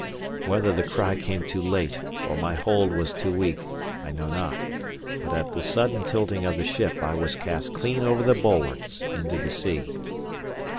Whether the cry came too late, or my hold was too weak, I know not; but at the sudden tilting of the ship I was cast clean over the bulwarks into the sea.